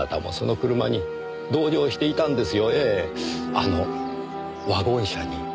あのワゴン車に。